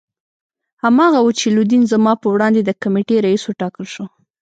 هماغه وو چې لودین زما په وړاندیز د کمېټې رییس وټاکل شو.